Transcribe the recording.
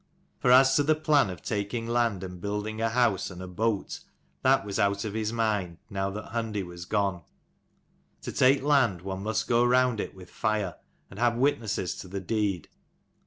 For as to the plan of taking land and building a house and a boat, that was out of his mind now that Hundi was gone. To take land, one must go round it with fire, and have witnesses to the deed.